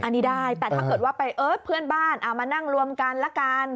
อันนี้ได้แต่ถ้าเกิดว่าไปเอ้ยเพื่อนบ้านเอามานั่งรวมกันละกัน